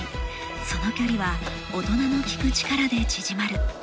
その距離は大人の聴く力で縮まる。